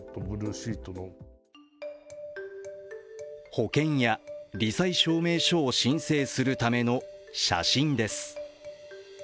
保険や、り災証明書を申請するための写真です。